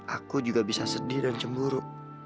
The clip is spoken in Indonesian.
aku juga bisa sedih dan cemburu